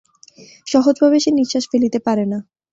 সহজভাবে সে নিশ্বাস ফেলিতে পারে না।